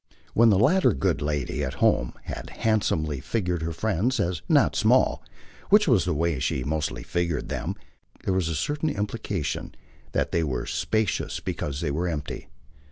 When the latter good lady, at home, had handsomely figured her friends as not small which was the way she mostly figured them there was a certain implication that they were spacious because they were empty.